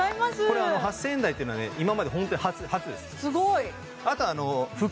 これあの８０００円台っていうのは今まで本当に初初です